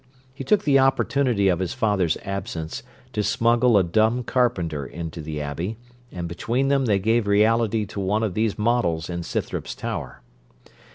He took the opportunity of his father's absence to smuggle a dumb carpenter into the Abbey, and between them they gave reality to one of these models in Scythrop's tower.